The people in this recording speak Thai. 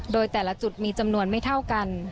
โดยแต่ละจุดมีจำนวนไม่เท่ากัน